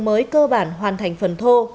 mới cơ bản hoàn thành phần thô